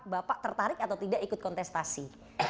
bapak tertarik atau tidak ikut kontestasi